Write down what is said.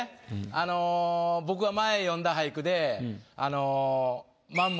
あの僕が前詠んだ俳句であの。